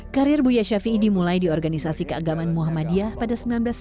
karir buya shafi'i dimulai di organisasi keagaman muhammadiyah pada seribu sembilan ratus sembilan puluh lima